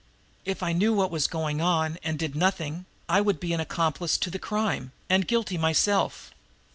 If I knew what was going on, and did nothing, I would be an accomplice to the crime, and guilty myself."